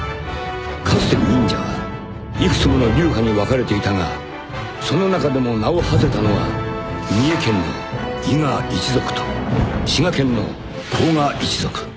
［かつて忍者は幾つもの流派に分かれていたがその中でも名をはせたのは三重県の伊賀一族と滋賀県の甲賀一族］